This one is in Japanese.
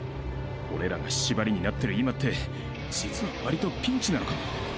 俺らが縛りになってる今って実はわりとピンチなのかも。